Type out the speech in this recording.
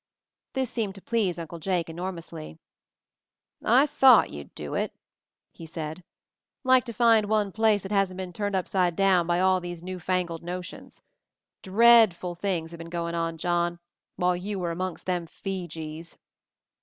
This seemed to please Uncle Jake enor mously. "I thought you'd do it," he said. "Like to find one place that hasn't been turned up side down by all these new fangled notions. Dreadful things have been goin' on, John, while you were amongst them Feejees."